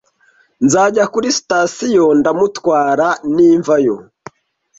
nzajya kuri sitasiyo ndamutwara nimvayo.